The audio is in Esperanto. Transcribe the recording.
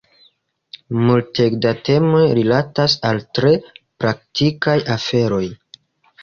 Multege da temoj rilatas al tre praktikaj aferoj.